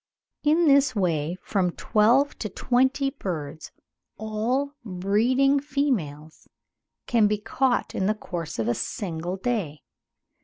In this way from twelve to twenty birds, all breeding females, may be caught in the course of a single day.